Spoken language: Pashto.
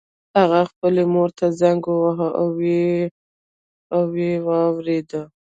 هغه خپلې مور ته زنګ وواهه او ويې واورېده.